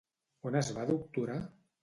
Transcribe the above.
On es va doctorar?